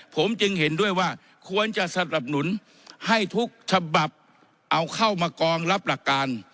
ผมจึงเห็นด้วยว่าควรจะสนับสนุนให้ทุกฉบับเอาเข้ามากองรับหลักการ